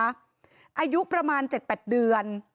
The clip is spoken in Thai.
อายุประมาณ๗๘เดือน